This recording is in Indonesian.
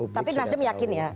tapi mas dem yakin ya